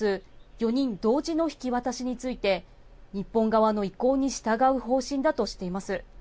４人同時の引き渡しについて、日本側の意向に従う方針だとしています。